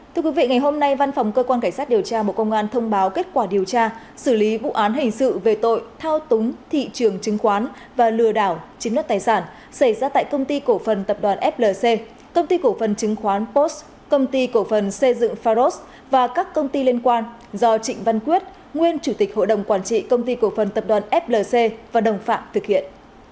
thưa quý vị ngày hôm nay văn phòng cơ quan cảnh sát điều tra bộ công an thông báo kết quả điều tra xử lý vụ án hình sự về tội thao túng thị trường chứng khoán và lừa đảo chính đất tài sản xảy ra tại công ty cổ phần tập đoàn flc công ty cổ phần chứng khoán post công ty cổ phần xây dựng pharos và các công ty liên quan do trịnh văn quyết nguyên chủ tịch hội đồng quản trị công ty cổ phần tập đoàn flc và đồng phạm thực hiện